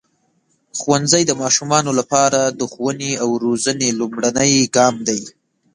ښوونځی د ماشومانو لپاره د ښوونې او روزنې لومړنی ګام دی.